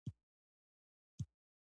قیمت یی ووایه